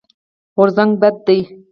غورځنګ بد دی.